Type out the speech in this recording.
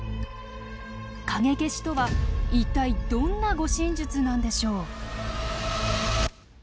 影消しとは一体どんな護身術なんでしょう。